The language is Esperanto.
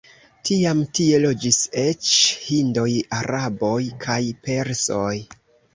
Tiam tie loĝis eĉ hindoj, araboj kaj persoj.